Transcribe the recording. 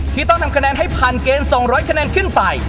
ที่ต้องทำคะแนนให้ผ่านเกณฑ์๒๐๐คะแนนขึ้นไป